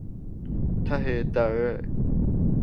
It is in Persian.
ته دره